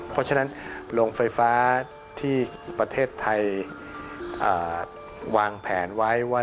เพราะฉะนั้นโรงไฟฟ้าที่ประเทศไทยวางแผนไว้ว่า